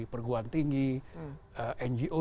perguruan tinggi ngo